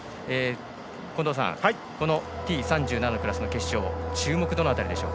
近藤さん、Ｔ３７のクラスの決勝注目はどの辺りでしょう。